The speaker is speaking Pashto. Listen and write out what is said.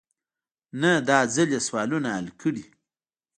نه داځل يې سوالونه حل کړي.